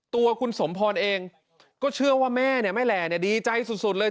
ตัวคุณสมพรณ์เองก็เชื่อว่าแม่แหล่ดีใจสุดเลย